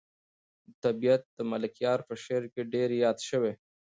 طبیعت د ملکیار په شعر کې ډېر یاد شوی.